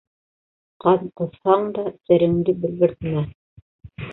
Ҡан ҡоҫһаң да сереңде белгертмә.